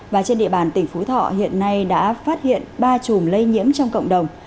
và trên địa bàn tỉnh phú thọ hiện nay đã phát hiện ba chùm lây nhiễm trong cộng đồng